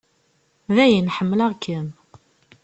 Dayen ḥemmleɣ-kem.